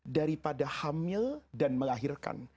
daripada hamil dan melahirkan